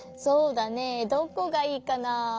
そうだねどこがいいかな？